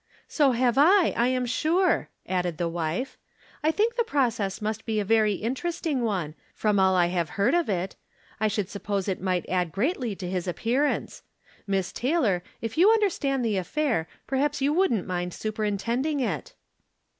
" So have I, I am sure," added his wife. " I tHnk the process must be a very interesting one, from all I have heard of it. I should suppose it 112 From Different Standpoints. might add greatly to his appearance. Miss Tay lor, if you understand the affair, perhaps you wouldn't mind superintending it."